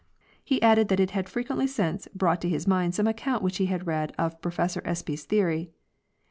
He added that it had frequently since brought to his mind some account which he had read of Professor's Espy's theory.